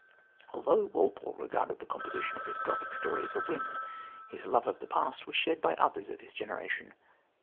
Although Walpole regarded the composition of his Gothic story as a whim, his love of the past was shared by others of his generation.